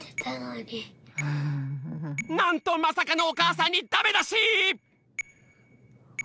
なんとまさかのおかあさんにダメだし！